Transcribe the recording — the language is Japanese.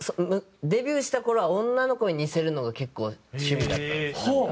デビューした頃は女の子に似せるのが結構趣味だったんですよなんか。